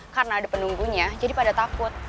karena ada penunggunya jadi pada takut